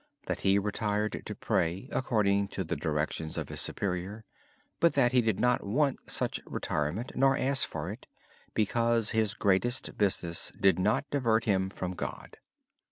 He retired to pray according to the directions of his superior, but he did not need such retirement nor ask for it because his greatest business did not divert him from God.